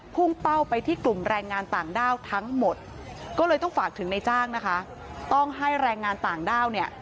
พุ่งเป้าไปที่กลุ่มแรงงานต่างด้าว